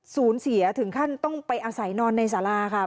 สูญเสียถึงขั้นต้องไปอาศัยนอนในสาราค่ะ